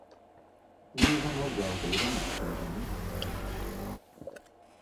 呢間屋有幾多人住緊？